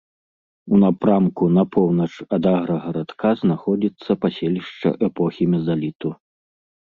У напрамку на поўнач ад аграгарадка знаходзіцца паселішча эпохі мезаліту.